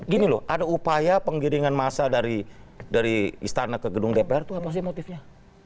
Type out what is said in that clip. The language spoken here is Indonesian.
gini loh ada upaya penggiringan masa dari istana ke gedung dpr itu apa sih motifnya